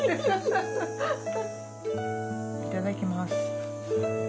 いただきます。